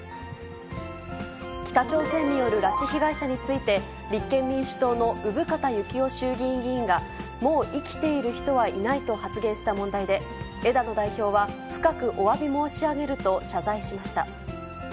北朝鮮による拉致被害者について、立憲民主党の生方幸夫衆議院議員が、もう生きている人はいないと発言した問題で、枝野代表は、深くおわび申し上げると、謝罪しました。